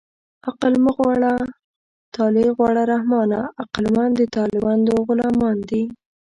عقل مه غواړه طالع غواړه رحمانه عقلمند د طالعمندو غلامان دي